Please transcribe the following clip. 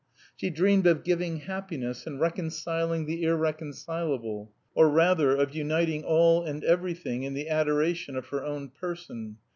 She dreamed of "giving happiness" and reconciling the irreconcilable, or, rather, of uniting all and everything in the adoration of her own person.